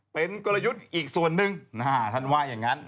เป็นกลยุทธ์อีกส่วนหนึ่งท่านว่าอย่างนั้น